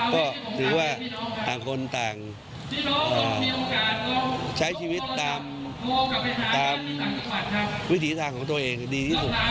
ก็ถือว่าต่างคนต่างใช้ชีวิตตามวิถีทางของตัวเองดีที่สุด